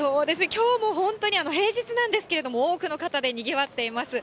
きょうも本当に、平日なんですけれども、多くの方でにぎわっています。